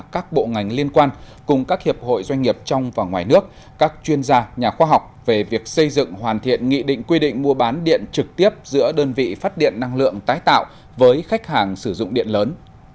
các doanh nghiệp trong và ngoài nước các chuyên gia nhà khoa học về việc xây dựng hoàn thiện nghị định quy định mua bán điện trực tiếp giữa đơn vị phát điện năng lượng tái tạo với khách hàng sử dụng điện lớn